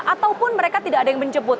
ataupun mereka tidak ada yang menjemput